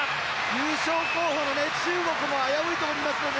優勝候補の中国も危ういと思いますので。